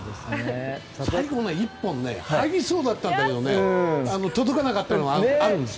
最後の１本入りそうだったんだけど届かなかったのがあるんですよ。